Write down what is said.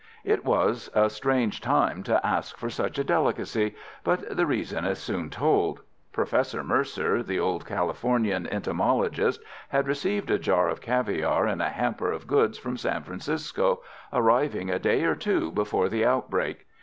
It was a strange time to ask for such a delicacy, but the reason is soon told. Professor Mercer, the old Californian entomologist, had received a jar of caviare in a hamper of goods from San Francisco, arriving a day or two before the outbreak.